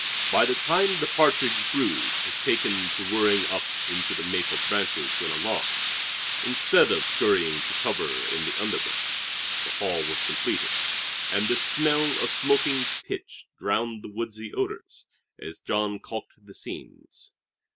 By the time the partridge brood had taken to whirring up into the maple branches when alarmed, instead of scurrying to cover in the underbrush, the hull was completed; and a smell of smoking pitch drowned the woodsy odors as Jean calked the seams.